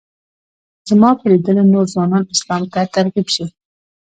زما په لیدلو نور ځوانان اسلام ته ترغیب شي.